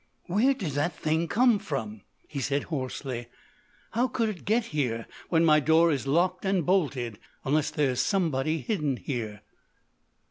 "Where did that thing come from?" he said hoarsely. "How could it get here when my door is locked and bolted? Unless there's somebody hidden here!"